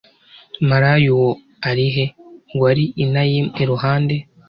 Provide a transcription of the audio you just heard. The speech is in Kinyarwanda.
maraya uwo ari he wari enayimu iruhande